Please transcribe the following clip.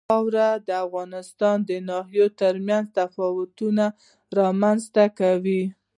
واوره د افغانستان د ناحیو ترمنځ تفاوتونه رامنځته کوي.